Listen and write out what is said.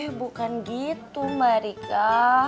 ih bukan gitu mbak dika